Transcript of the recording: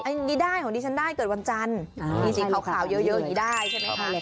อันนี้ได้ของดิฉันได้เกิดวันจันทร์มีสีขาวเยอะอย่างนี้ได้ใช่ไหมคะ